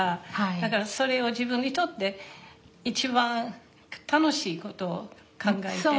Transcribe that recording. だからそれを自分にとって一番楽しいことを考えて。